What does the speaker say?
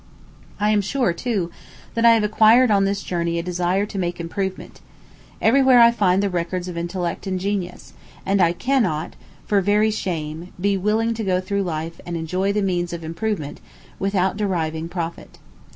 I am sure, too, that I have acquired on this journey a desire to make improvement. Every where I find the records of intellect and genius, and I cannot, for very shame, be willing to go through life and enjoy the means of improvement, without deriving profit.